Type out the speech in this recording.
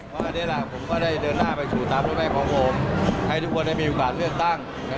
ว่าอันนี้ล่ะผมก็ได้เดินหน้าไปสู่ตามรุ่นแม่ของผมให้ทุกคนได้มีโอกาสเลือกตั้ง